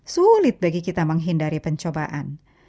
sulit bagi kita menghindari pencobaan